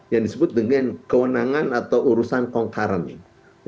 yang disebut dengan kewenangan atau urusan concurrent